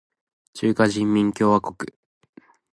中華人民共和国